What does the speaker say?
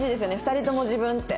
２人とも自分って。